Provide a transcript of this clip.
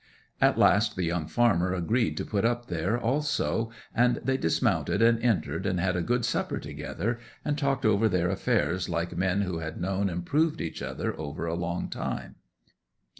At last the young farmer agreed to put up there also; and they dismounted, and entered, and had a good supper together, and talked over their affairs like men who had known and proved each other a long time.